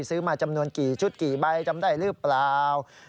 ซื้อมาจำนวนกี่ชุดกี่ใบจำได้หรือเปล่า